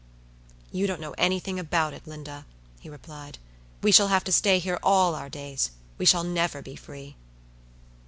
"You don't know any thing about it, Linda," he replied. "We shall have to stay here all our days; we shall never be free."